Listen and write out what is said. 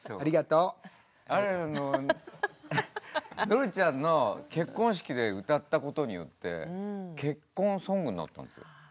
憲ちゃんの結婚式で歌ったことによって結婚ソングになったんですよ。